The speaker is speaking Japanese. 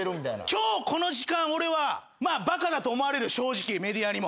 今日この時間俺はバカだと思われる正直メディアにも。